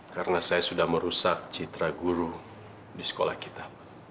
karena saya sudah merusak citra guru di sekolah kita